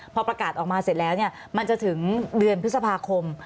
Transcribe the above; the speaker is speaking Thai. พอประกาศออกมาเสร็จแล้วมันจะถึงเดือนพฤษภาคม